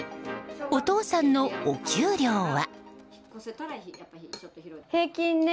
お父さんのお給料は。